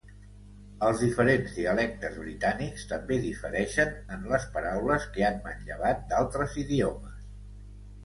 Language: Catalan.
Els diferents dialectes britànics també difereixen en les paraules que han manllevat d’altres idiomes.